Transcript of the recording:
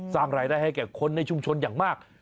สร้างรายได้ให้แก่คนในชุมชนอย่างมาก